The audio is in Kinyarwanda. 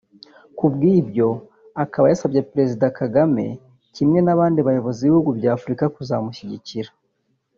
kubw’ibyo akaba yasabye Perezida Kagame kimwe n’abandi bayobozi b’ibihugu bya Afurika kuzamushyigikira